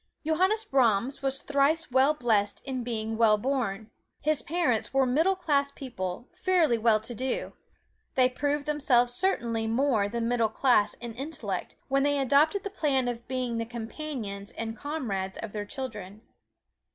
Johannes Brahms was thrice well blest in being well born. His parents were middle class people, fairly well to do. They proved themselves certainly more than middle class in intellect, when they adopted the plan of being the companions and comrades of their children.